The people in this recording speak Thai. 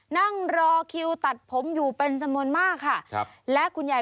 นั่งรอคิวตัดผมอยู่เป็นสมนต์มากค่ะครับ